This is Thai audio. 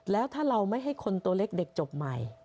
แล้วถ้าเราไม่ให้คนตัวเล็กเด็กจบใหม่